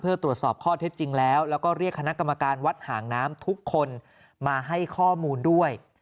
เพื่อตรวจสอบข้อเท็จจริงแล้วแล้วก็เรียกคณะกรรมการวัดหางน้ำทุกคนมาให้ข้อมูลด้วย